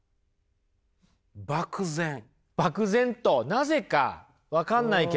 漠然となぜか分かんないけど。